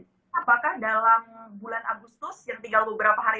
apakah dalam bulan agustus yang tinggal beberapa hari